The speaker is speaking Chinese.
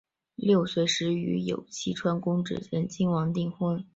六岁时与有栖川宫炽仁亲王订婚。